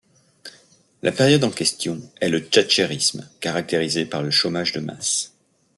La période en question est le thatchérisme, caractérisé par le chômage de masse.